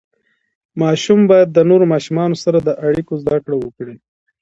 ماشوم باید د نورو ماشومانو سره د اړیکو زده کړه وکړي.